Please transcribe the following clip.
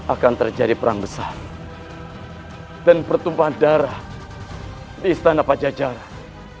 akan terjadi perang besar dan pertumpahan darah di istana pajajaran